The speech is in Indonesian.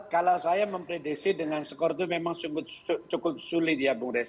kalau saya memprediksi dengan skor itu memang cukup sulit ya bung rey